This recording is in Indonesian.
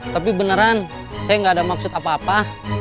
tapi beneran saya nggak ada maksud apa apa